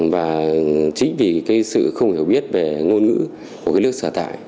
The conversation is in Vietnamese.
và chính vì sự không hiểu biết về ngôn ngữ của nước sở thải